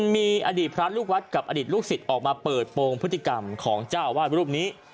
มีอดีตพระลูกวัดกับอดีตลูกศิษย์ออกมาเปิดโปรงพฤติกรรมของเจ้าอาวาสรูปนี้